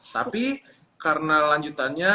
tapi karena lanjutannya